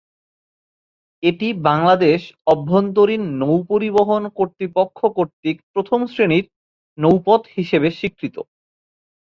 এটি বাংলাদেশ অভ্যন্তরীণ নৌপরিবহন কর্তৃপক্ষ কর্তৃক প্রথম শ্রেণির নৌপথ হিসেবে স্বীকৃত।